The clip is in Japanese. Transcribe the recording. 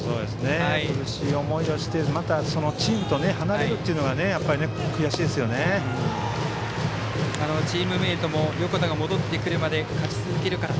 苦しい思いをしてまたチームと離れるというのがチームメートも横田が戻ってくるまで勝ち続けるから。